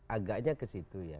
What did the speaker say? agaknya ke situ ya